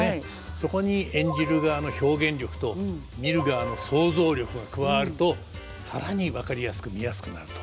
そこに演じる側の表現力と見る側の想像力が加わると更に分かりやすく見やすくなると。